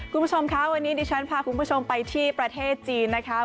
คุณผู้ชมคะวันนี้ดิฉันพาคุณผู้ชมไปที่ประเทศจีนนะคะ